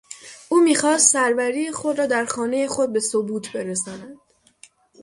او میخواست سروری خود را در خانهی خود به ثبوت برساند.